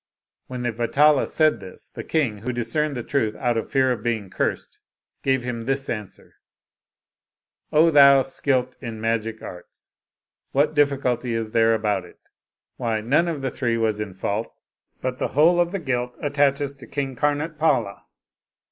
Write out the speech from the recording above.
When the Vetala said this, the king, who discerned the truth, out of fear of being cursed, gave him this answer, " O thou skilled in magic arts, what difficulty is there about it? Why, none of the three was in fault, but the whole of the guilt attaches to King Kamotpala."